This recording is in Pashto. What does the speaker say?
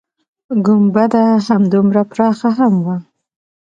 گنبده همدومره پراخه هم وه.